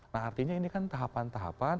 nah artinya ini kan tahapan tahapan